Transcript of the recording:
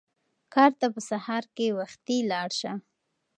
کار ته په سهار کې وختي لاړ شه.